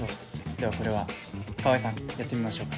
ではこれは川合さんやってみましょうか。